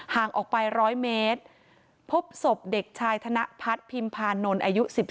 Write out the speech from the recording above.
ห่างออกไป๑๐๐เมตรพบศพเด็กชายธนพัฒน์พิมพานนท์อายุ๑๒